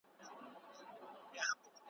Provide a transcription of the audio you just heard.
خیال مي ځي تر ماشومتوبه د مُلا تر تاندي لښتي `